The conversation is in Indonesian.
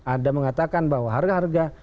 ada mengatakan bahwa harga harga